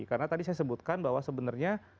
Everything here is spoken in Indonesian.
karena tadi saya sebutkan bahwa sebenarnya